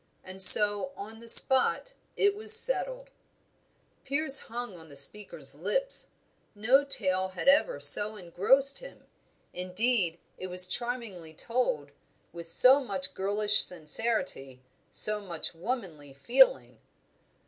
And so on the spot it was settled." Piers hung on the speaker's lips; no tale had ever so engrossed him. Indeed, it was charmingly told; with so much girlish sincerity, so much womanly feeling.